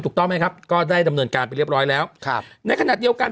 ถูกต้องไหมครับก็ได้ดำเนินการไปเรียบร้อยแล้วครับในขณะเดียวกัน